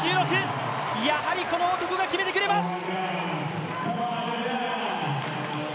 やはりこの男が決めてくれます。